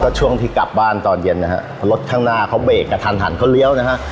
ก็ช่วงที่กลับบ้านตอนเย็นอะฮะรถข้างหน้าเขาเบกว่า